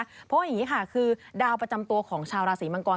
เพราะว่าอย่างนี้ค่ะคือดาวประจำตัวของชาวราศีมังกร